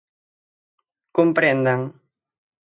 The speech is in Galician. Comprendan.